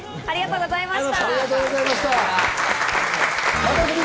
ありがとうございます。